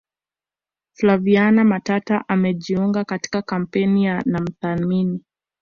flaviana matata amejiunga katika kampeni ya namthamini